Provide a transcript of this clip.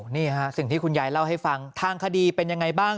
นี่ฮะสิ่งที่คุณยายเล่าให้ฟังทางคดีเป็นยังไงบ้าง